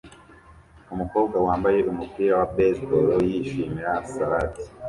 Umukobwa wambaye umupira wa baseball yishimira salade